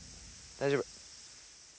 大丈夫。